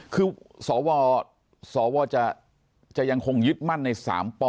คือสอบว่าจะยังคงยึดมั่นในสามป่อ